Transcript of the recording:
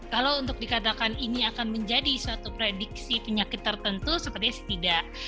kalau untuk dikatakan ini akan menjadi suatu prediksi penyakit tertentu sepertinya tidak